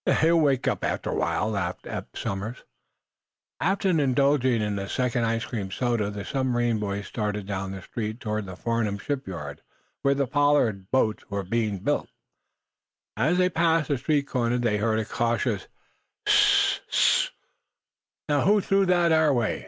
"He'll wake up after a while," laughed Eph Somers. After indulging in a second ice cream soda the submarine boys started down the street toward the Farnum shipyard where the Pollard boats were built. As they passed a street corner they heard a cautious: "Hss sst!" "Now, who threw that our way?"